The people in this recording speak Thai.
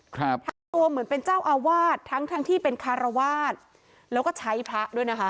ครับทำตัวเหมือนเป็นเจ้าอาวาสทั้งทั้งที่เป็นคารวาสแล้วก็ใช้พระด้วยนะคะ